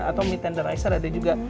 atau meat tenderizer ada juga